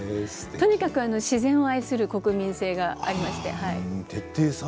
とにかく自然を大事にする国民性があります。